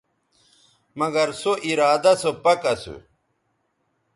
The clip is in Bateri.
مگر سو ارادہ سو پَک اسو